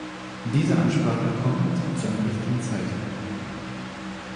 Diese Ansprache kommt zu einem richtigen Zeitpunkt.